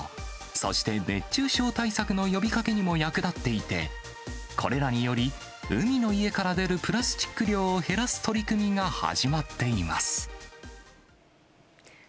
そして熱中症対策の呼びかけにも役立っていて、これらにより、海の家から出るプラスチック量を減らす取り組みが始まっています。